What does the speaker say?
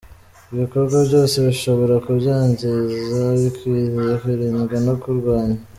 Ibikorwa byose bishobora kubyangiza bikwiriye kwirindwa no kurwanywa."